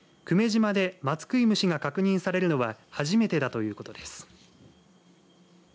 久米島で松食い虫が確認されるのは初めてだということです。